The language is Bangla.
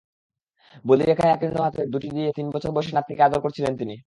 বলিরেখায় আকীর্ণ হাত দুটি দিয়ে তিন বছর বয়সী নাতনিকে আদর করছিলেন তিনি।